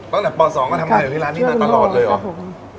ตั้งแต่ป๒ก็ทำงานอยู่ที่ร้านนี้มาตลอดเลยเหรอคุณพี่เนี่ยก็ช่วยคุณพ่อครับผม